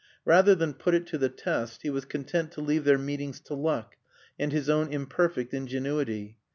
Rather than put it to the test he was content to leave their meetings to luck and his own imperfect ingenuity.